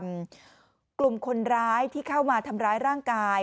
ที่บุรีรามกลุ่มคนร้ายที่เข้ามาทำร้ายร่างกาย